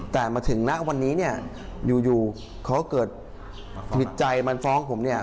แต่มาถึงณวันนี้เนี่ยอยู่เขาเกิดผิดใจมันฟ้องผมเนี่ย